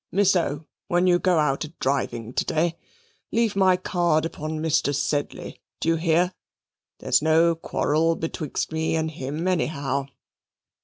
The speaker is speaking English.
Miss O., when you go out adriving to day, leave my card upon Mr. Sedley, do you hear? There's no quarrel betwigst me and him anyhow."